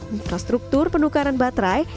infrastruktur penukaran baterai